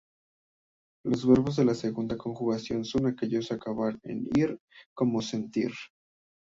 Los verbos de la segunda conjugación son aquellos acabados en -ir, como "sentir".